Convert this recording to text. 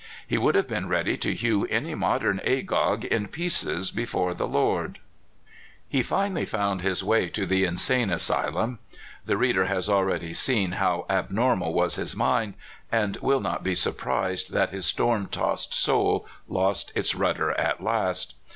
He would have been ready to hew any modern Agag in pieces before the Lord. BUFFALO JONES. 225 He finally found his way to the Insane Asylum. The reader has already seen how abnormal was his mind, and will not be surprised that his storm tossed soul lost its rudder at last.